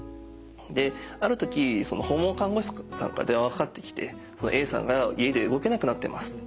である時訪問看護師さんから電話がかかってきて「Ａさんが家で動けなくなってます」って。